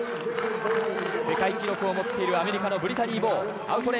世界記録を持っているアメリカのブリタニー・ボウ。